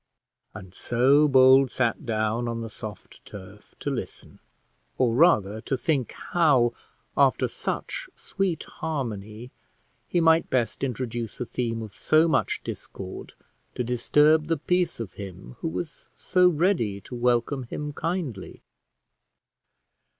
And so Bold sat down on the soft turf to listen, or rather to think how, after such sweet harmony, he might best introduce a theme of so much discord, to disturb the peace of him who was so ready to welcome him kindly.